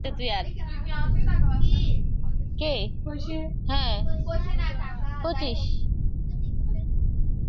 রাজলক্ষ্মীর এইরূপ বাক্য শুনিয়া বীরবর সত্বর গৃহাভিমুখে গমন করিল।